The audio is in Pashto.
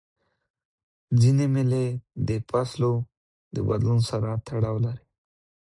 ځیني مېلې د فصلو د بدلون سره تړاو لري.